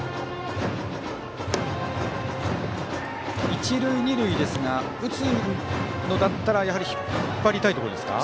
一塁二塁ですが打つのだったら引っ張りたいところですか？